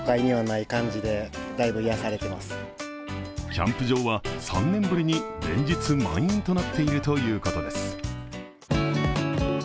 キャンプ場は３年ぶりに連日、満員となっているということです。